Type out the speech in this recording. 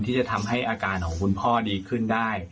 ที่จะทำให้อาการของคุณพ่อดีขึ้นได้